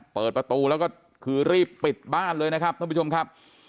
เปิดประตูแล้วก็คือรีบปิดบ้านเลยนะครับท่านผู้ชมครับ